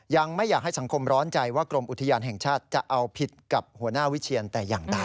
ยังไม่อยากให้สังคมร้อนใจว่ากรมอุทยานแห่งชาติจะเอาผิดกับหัวหน้าวิเชียนแต่อย่างใด